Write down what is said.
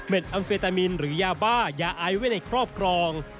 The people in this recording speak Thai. อัมเฟตามินหรือยาบ้ายาไอไว้ในครอบครอง